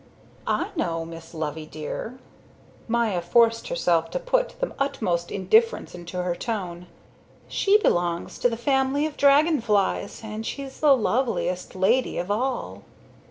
"I know Miss Loveydear." Maya forced herself to put the utmost indifference into her tone. "She belongs to the family of dragon flies and she's the loveliest lady of all."